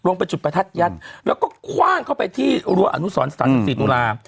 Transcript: ลงไปจุดประทัดยัดแล้วก็คว่างเข้าไปที่รั้วอนุสรรค์สถานสิตุลาคม